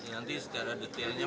nanti secara detailnya